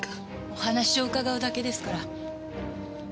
お話を伺うだけですから。